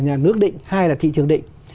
nhà nước định hai là thị trường định